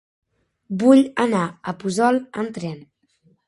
Vull anar a Puçol amb tren.